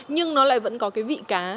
nhưng nó lại vẫn có cái vị cá